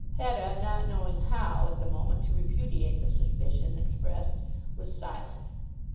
Hetta, not knowing how, at the moment, to repudiate the suspicion expressed, was silent.